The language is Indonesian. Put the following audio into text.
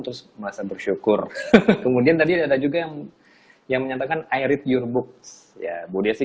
terus merasa bersyukur kemudian tadi ada juga yang yang menyatakan i read your books ya bu desi